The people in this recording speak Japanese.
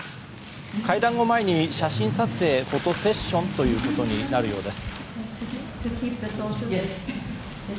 会談を前に写真撮影フォトセッションとなるようです。